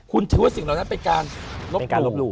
คุณถือว่าสิ่งเหล่านั้นเป็นการลบการลบหลู่